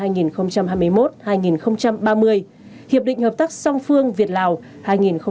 giai đoạn hai nghìn hai mươi một hai nghìn ba mươi hiệp định hợp tác song phương việt lào hai nghìn hai mươi một hai nghìn hai mươi ba